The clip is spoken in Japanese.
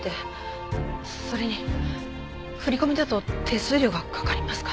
それに振込だと手数料がかかりますから。